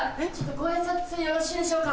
ご挨拶よろしいでしょうか？